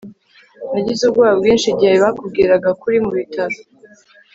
nagize ubwoba bwinshi igihe bakubwiraga ko uri mu bitaro